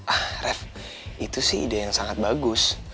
ah ref itu sih ide yang sangat bagus